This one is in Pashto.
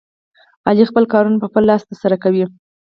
علي خپل کارونه په خپل لاس ترسره کوي.